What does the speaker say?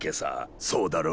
そうだろ？